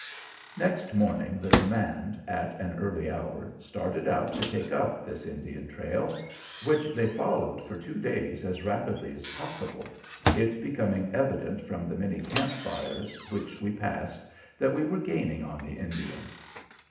Next morning the command, at an early hour, started out to take up this Indian trail, which they followed for two days as rapidly as possible, it becoming evident from the many camp fires which we passed that we were gaining on the Indians.